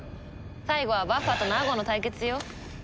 最後はバッファとナーゴの対決よ。